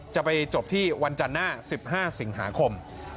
จะไปจบที่วันจันทร์หน้า๑๕สิงหาคม